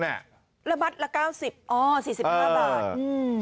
ละมัดละ๙๐อ๋อ๔๕บาท